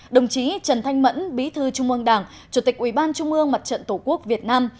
đồng chí trần thanh mẫn bí thư trung ương đảng chủ tịch ủy ban trung ương mặt trận tổ quốc việt nam